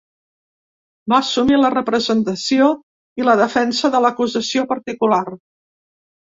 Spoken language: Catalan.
Van assumir la representació i la defensa de l'acusació particular.